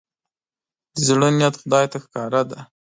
د زړه نيت خدای ته ښکاره دی.